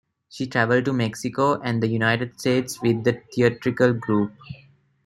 She traveled to Mexico and the United States with the theatrical group.